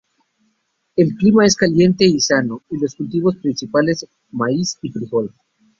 El clima es caliente y sano; y los cultivos principales: maíz y frijol.